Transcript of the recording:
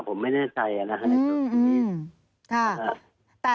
ผมไม่แน่ใจนะครับ